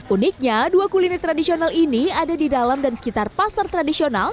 uniknya dua kuliner tradisional ini ada di dalam dan sekitar pasar tradisional